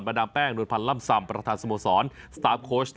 มาดามแป้งโดยพันธุ์ล่ำซ่ำประธานสมสรรค์สตาร์ฟโคชน์